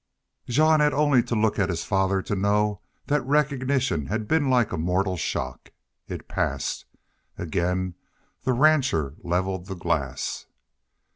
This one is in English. Jean had only to look at his father to know that recognition had been like a mortal shock. It passed. Again the rancher leveled the glass.